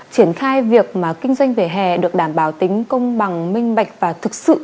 triển khai việc mà kinh doanh vẻ hẻ được đảm bảo tính công bằng minh bạch và thực sự